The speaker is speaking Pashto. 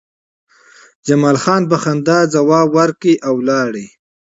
جمال خان په خندا ځواب ورکړ او لاړ